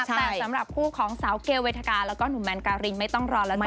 แต่สำหรับคู่ของสาวเกลเวทกาแล้วก็หนุ่มแมนการินไม่ต้องรอแล้วนะ